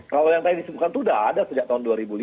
kalau yang tadi disebutkan itu sudah ada sejak tahun dua ribu lima